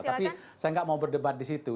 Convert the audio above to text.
tapi saya nggak mau berdebat di situ